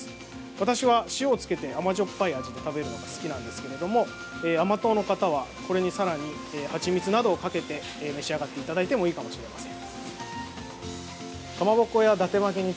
私は塩をつけて甘じょっぱい味で食べるのが好きなんですけれども甘党の方は、これにさらに、はちみつなどをかけて召し上がっていただいてもいいかもしれません。